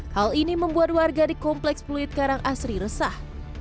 hal ini membuat warga di kompleks pluit karang asri resah